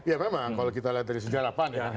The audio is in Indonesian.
iya memang kalau kita lihat dari sejarah pan